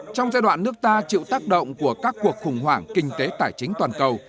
trong giai đoạn nước ta chịu tác động của các cuộc khủng hoảng kinh tế tài chính toàn cầu